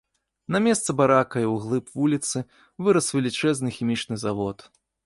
На месцы барака і ў глыб вуліцы вырас велічэзны хімічны завод.